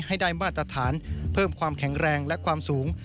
ให้ได้มาตรฐานเพิ่มความแข็งแรงและความสูง